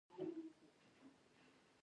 دا سیمې زموږ له کور څخه لس میله لرې وې